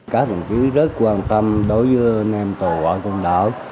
các đồng chí rất quan tâm đối với anh em tổ ở công đảo